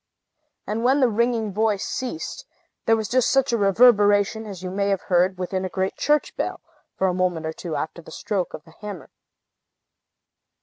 And when the ringing voice ceased, there was just such a reverberation as you may have heard within a great church bell, for a moment or two after the stroke of the hammer.